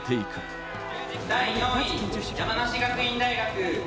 山梨学院大学。